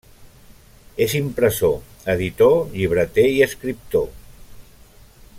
És impressor, editor, llibreter i escriptor.